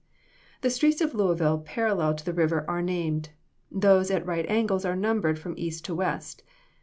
The streets of Louisville parallel to the river are named; those at right angles are numbered from east to west.